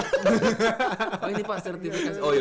oh ini pak certified nya saya